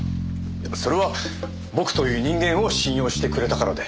それは僕という人間を信用してくれたからで。